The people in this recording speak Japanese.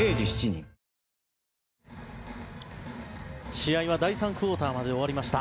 試合は第３クオーターまで終わりました。